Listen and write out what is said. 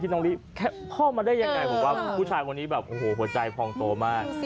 น้องลิแค่พ่อมาได้ยังไงผมว่าผู้ชายคนนี้แบบโอ้โหหัวใจพองโตมาก